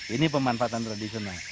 ini pemanfaatan tradisional